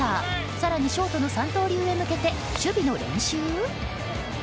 更にショートの三刀流へ向けて守備の練習？